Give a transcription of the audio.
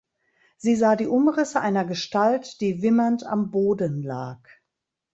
Sie sah die Umrisse einer Gestalt die wimmernd am Boden lag.